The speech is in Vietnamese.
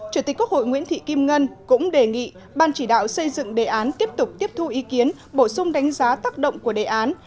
chủ tịch quốc hội nguyễn thị kim ngân cũng đề nghị ban chỉ đạo xây dựng đề án tiếp tục tiếp thu ý kiến bổ sung đánh giá tác động của đề án